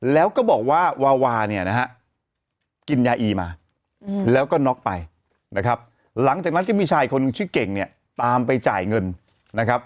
แล้วก็บอกว่าวาวาเนี่ยนะฮะกินยาอีมาแล้วก็น็อกไปนะครับหลังจากนั้นก็มีชายคนหนึ่งชื่อเก่งเนี่ยตามไปจ่ายเงินนะครับ